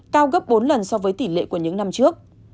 cao gấp bốn lần so với tỷ lệ của những năm trước